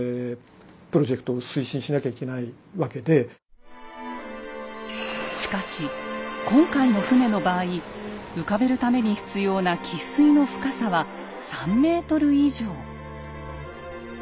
要するにしかし今回の船の場合浮かべるために必要な喫水の深さは３ｍ以上。